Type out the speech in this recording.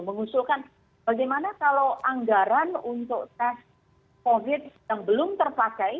mengusulkan bagaimana kalau anggaran untuk tes covid yang belum terpakai